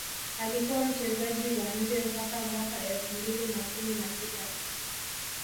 alikuwa mchezaji wa nje mpaka Mwaka elfu mbili na kumi na sita